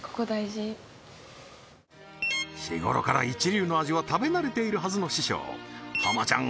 日ごろから一流の味は食べ慣れているはずの師匠浜ちゃん